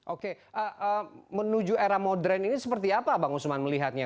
oke menuju era modern ini seperti apa bang usman melihatnya